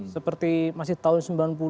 seperti masih tahun sembilan puluh